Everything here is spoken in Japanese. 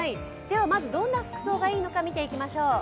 まず、どんな服装がいいのか見ていきましょう。